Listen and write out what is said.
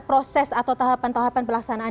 proses atau tahapan tahapan pelaksanaan